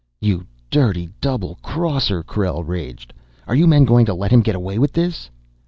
"You dirty double crosser!" Krell raged. "Are you men going to let him get away with this?"